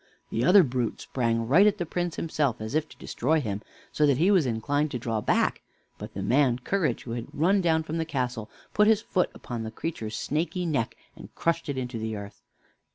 The other brute sprang right at the Prince himself, as if to destroy him, so that he was inclined to draw back; but the man Courage, who had run down from the castle, put his foot upon the creature's snaky neck, and crushed it into the earth.